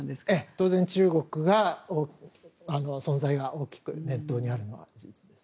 当然、中国が存在が大きく念頭にあるのは事実です。